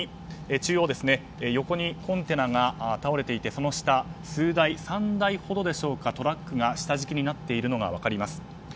横にコンテナが倒れていてその下、３台ほどでしょうかトラックが下敷きになっているのが分かります。